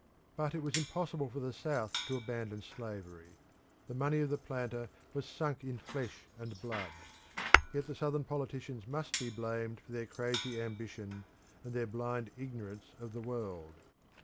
But it was impossible for the South to abandon slavery. The money of a planter was sunk in flesh and blood. Yet the Southern politicians must be blamed for their crazy ambition, and their blind ignorance of the world.